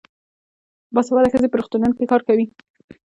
باسواده ښځې په روغتونونو کې کار کوي.